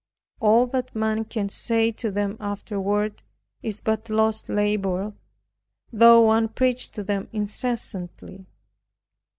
All that man can say to them afterward is but lost labor, though one preach to them incessantly.